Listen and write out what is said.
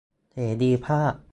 เสรีภาพ